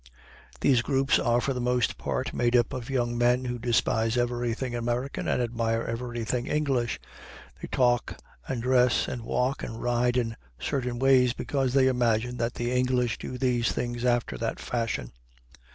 These groups are for the most part made up of young men who despise everything American and admire everything English. They talk and dress and walk and ride in certain ways, because they imagine that the English do these things after that fashion.